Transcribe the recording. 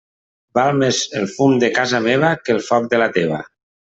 Val més el fum de casa meva que el foc de la teva.